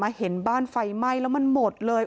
เห็นบ้านไฟไหม้แล้วมันหมดเลย